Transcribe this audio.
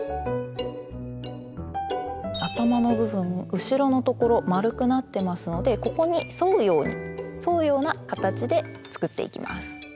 頭の部分後ろのところ丸くなってますのでここに沿うように沿うような形で作っていきます。